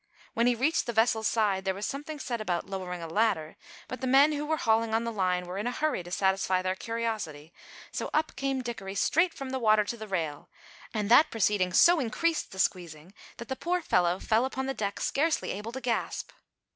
When he reached the vessel's side there was something said about lowering a ladder, but the men who were hauling on the line were in a hurry to satisfy their curiosity, so up came Dickory straight from the water to the rail, and that proceeding so increased the squeezing that the poor fellow fell upon the deck scarcely able to gasp.